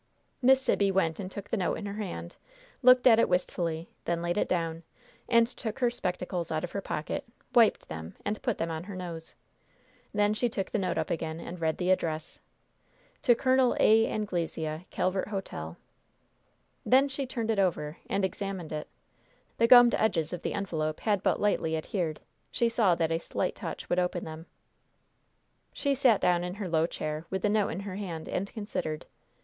Miss Sibby went and took the note in her hand, looked at it wistfully, then laid it down, and took her spectacles out of her pocket, wiped them, and put them on her nose. Then she took the note up again and read the address. "To Col. A. Anglesea, Calvert Hotel." Then she turned it over and examined it. The gummed edges of the envelope had but lightly adhered. She saw that a slight touch would open them. She sat down in her low chair, with the note in her hand, and considered.